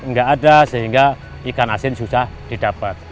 nggak ada sehingga ikan asin susah didapat